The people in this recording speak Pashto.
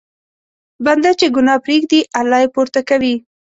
بنده چې ګناه پرېږدي، الله یې پورته کوي.